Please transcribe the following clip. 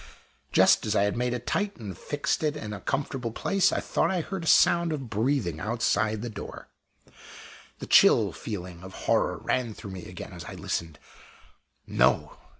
Just as I had made it tight and fixed it in a comfortable place, I thought I heard a sound of breathing outside the door. The chill feeling of horror ran through me again as I listened. No!